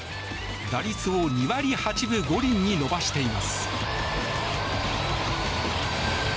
打率を２割８分５厘に伸ばしています。